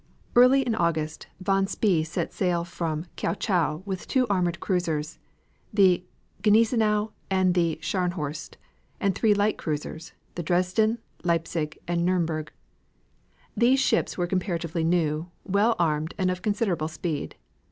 Early in August von Spee set sail from Kiaochau with two armored cruisers, the Gneisenau and the Scharnhorst and three light cruisers, the Dresden, Leipzig and Nurmberg. These ships were comparatively new, well armed, and of considerable speed.